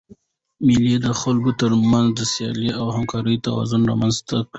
مېلې د خلکو تر منځ د سیالۍ او همکارۍ توازن رامنځ ته کوي.